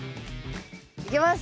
いきます。